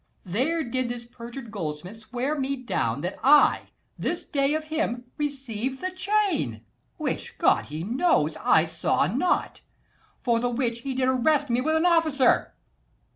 There did this perjured goldsmith swear me down That I this day of him received the chain, Which, God he knows, I saw not: for the which He did arrest me with an officer.